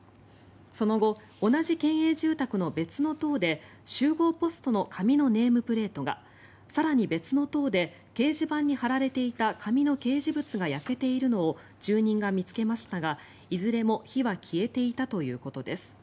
その後、同じ県営住宅の別の棟で集合ポストの紙のネームプレートが更に別の棟で掲示板に貼られていた紙の掲示物が焼けているのを住人が見つけましたがいずれも火は消えていたということです。